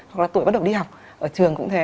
hoặc là tuổi bắt đầu đi học ở trường cũng thế